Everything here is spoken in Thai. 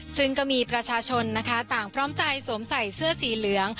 ซึ่งก็มีประชาชนนะคะต่างพร้อมใจสวมใส่เสื้อสีเหลือง